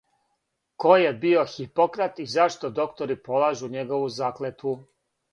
Ко је био Хипократ и зашто доктори полажу његову заклетву?